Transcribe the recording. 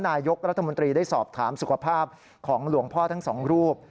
นายกรัฐมนตรีได้สอบถามสุขภาพของหลวงพ่อทั้งสองรูป